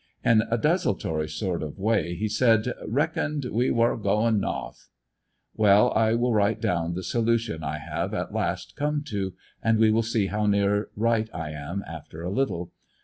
In a desul tory sort of way he said he "reckoned we war goin' nawth." Well, I will write down the solution I have at last come to, and we will see how near right I am after a little.